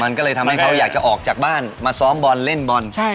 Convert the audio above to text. มันก็เลยทำให้เขาอยากจะออกจากบ้านมาซ้อมบอลเล่นบอล